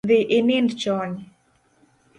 Dhi inind chon